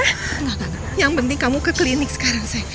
enggak enggak enggak yang penting kamu ke klinik sekarang say